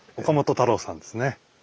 岡本太郎さんですね。